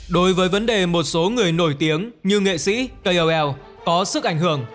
đối với vấn đề một số người nổi tiếng như nghệ sĩ kol có sức ảnh hưởng